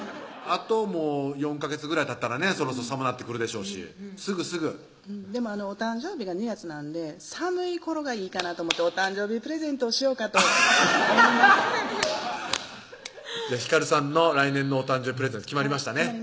あともう４ヵ月ぐらいたったらねそろそろ寒なってくるでしょうしすぐすぐお誕生日が２月なんで寒い頃がいいかなと思ってお誕生日プレゼントをしようかと思います光さんの来年のお誕生日プレゼント決まりましたね